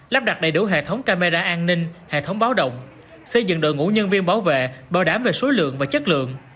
lắp đặt đầy đủ hệ thống camera an ninh hệ thống báo động xây dựng đội ngũ nhân viên bảo vệ bảo đảm về số lượng và chất lượng